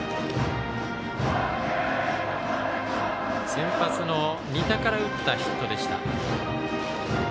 先発の仁田から打ったヒットでした。